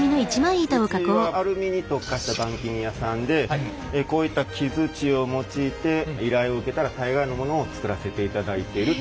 うちはアルミに特化した板金屋さんでこういった木づちを用いて依頼を受けたら大概のものを作らせていただいてる。